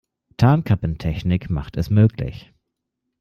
Tarnkappentechnik macht es möglich.